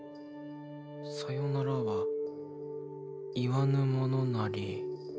さよならは言わぬものなり。